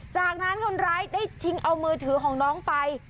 จากนั้นคนร้ายได้ชิงเอามือถือของน้องไป